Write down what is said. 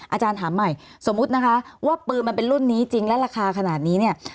อาจารย์ถามใหม่สมมุตินะคะว่าปืนมันเป็นรุ่นนี้จริงและราคาขนาดนี้เนี่ย